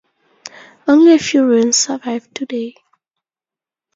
Only a few ruins survive today.